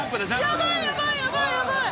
やばいやばいやばいやばい！